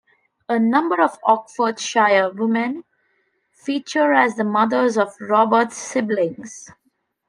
A number of Oxfordshire women feature as the mothers of Robert's siblings.